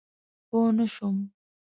پوه نه شوم؟